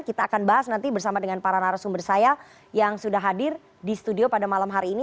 kita akan bahas nanti bersama dengan para narasumber saya yang sudah hadir di studio pada malam hari ini